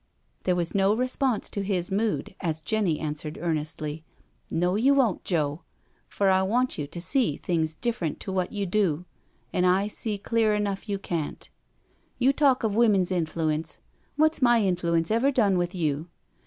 There was no response to his mood as Jenny an swered earnestly :" No you won't, Joe, for I want you to see things different to what you do, an' I see clear enough you can't. You talk of women's influence — wot's my influence ever done with you?